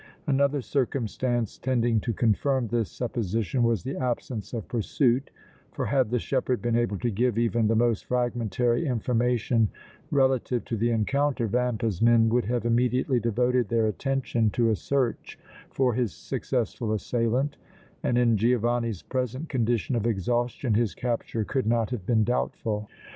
Another circumstance tending to confirm this supposition was the absence of pursuit, for had the shepherd been able to give even the most fragmentary information relative to the encounter, Vampa's men would have immediately devoted their attention to a search for his successful assailant, and in Giovanni's present condition of exhaustion his capture could not have been doubtful.